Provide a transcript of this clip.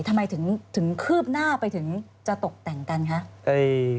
ทำไมถึงคืบหน้าไปถึงจะตกแต่งกันคะ